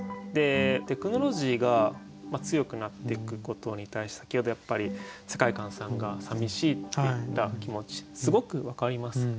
テクノロジーが強くなっていくことに対して先ほどやっぱり世界観さんがさみしいって言った気持ちすごく分かります。